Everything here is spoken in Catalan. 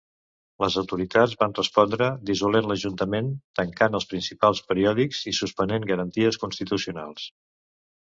Les autoritats van respondre dissolent l'ajuntament, tancant els principals periòdics i suspenent garanties constitucionals.